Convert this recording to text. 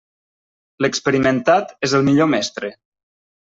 L'experimentat és el millor mestre.